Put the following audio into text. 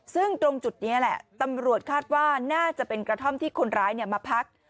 ซึ่งตรงจุดนี้แหละตำรวจคาดว่าน่าจะเป็นกระท่อมที่คนร้ายมาพัก